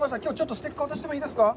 ステッカーを渡してもいいですか？